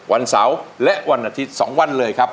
วันเสาร์และวันอาทิตย์๒วันเลยครับ